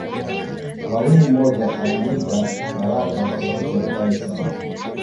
mwalimu mmoja alimwita malatwa kwa sauti ya ukali sana